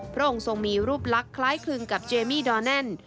พระองค์ทรงมีรูปลักษณ์คล้ายคลึงกับเจมี่ดอแน่น